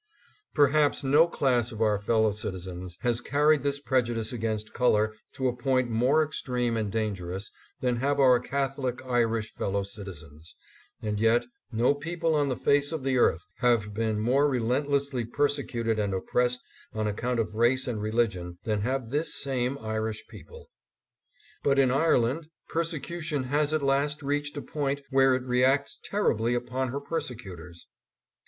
Perhaps no class of our fellow citizens has car ried this prejudice against color to a point more extreme and dangerous than have our Catholic Irish fellow citizens, and yet no people on the face of the earth have been more relentlessly persecuted and oppressed on account of race and religion than have this same Irish people. But in Ireland persecution has at last reached a point where it reacts terribly upon her persecutors.